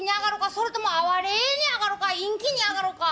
それとも哀れに上がろか陰気に上がろか」。